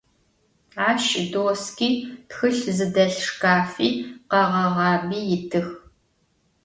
Aş doski, txılh zıdelh şşkafi, kheğeğabi yitıx.